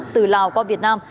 từ lào qua việt nam